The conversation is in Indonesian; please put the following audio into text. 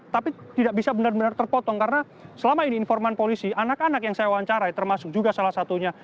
tapi tidak bisa benar benar terpotong karena selama ini informan polisi anak anak yang saya wawancarai termasuk juga salah satunya